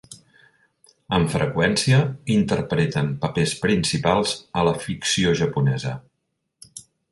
Amb freqüència, interpreten papers principals a la ficció japonesa.